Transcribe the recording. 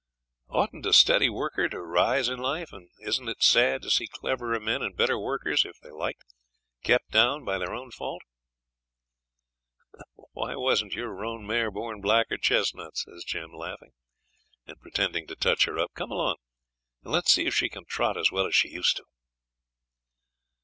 'Oughtn't a steady worker to rise in life, and isn't it sad to see cleverer men and better workers if they liked kept down by their own fault?' 'Why wasn't your roan mare born black or chestnut?' says Jim, laughing, and pretending to touch her up. 'Come along, and let's see if she can trot as well as she used to do?'